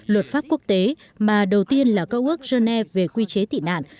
luật pháp quốc tế mà đầu tiên là cơ ước genève về quy chế tị nạn